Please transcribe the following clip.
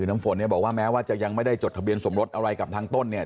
น้ำฝนเนี่ยบอกว่าแม้ว่าจะยังไม่ได้จดทะเบียนสมรสอะไรกับทางต้นเนี่ย